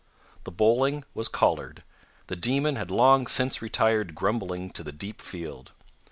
The bowling was collared. The demon had long since retired grumbling to the deep field.